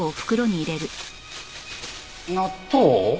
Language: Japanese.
納豆！？